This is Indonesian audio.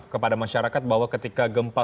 kepada masyarakat bahwa ketika gempa